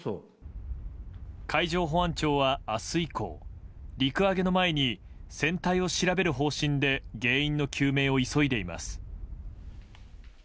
海上保安庁は明日以降陸揚げの前に船体を調べる方針で原因の究明を急いでいます。